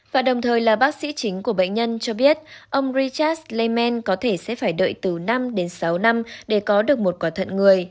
và đồng thời là bác sĩ chính của bệnh nhân cho biết ông richas leemen có thể sẽ phải đợi từ năm đến sáu năm để có được một quả thận người